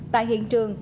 tại hiện trường